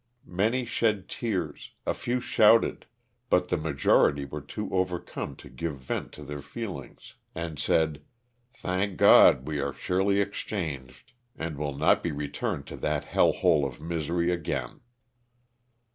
Many shed tears, a few shouted, but the majority were too overcome to give vent to their feel 150 LOSS OF THE SULTAKA. ings and said : ''Thank God, we are surely exchanged and will not be returned to that hell hole of misery again.''